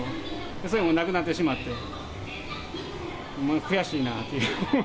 それもなくなってしまって、ほんまに悔しいなぁという。